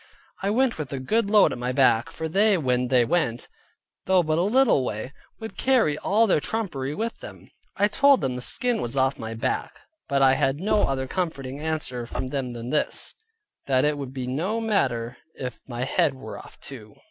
I went with a good load at my back (for they when they went, though but a little way, would carry all their trumpery with them). I told them the skin was off my back, but I had no other comforting answer from them than this: that it would be no matter if my head were off too.